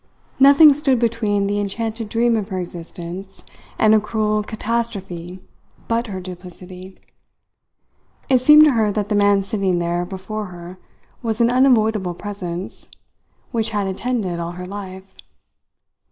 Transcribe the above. Nothing stood between the enchanted dream of her existence and a cruel catastrophe but her duplicity. It seemed to her that the man sitting there before her was an unavoidable presence, which had attended all her life.